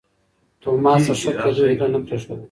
توماس د ښه کېدو هیله نه پرېښوده.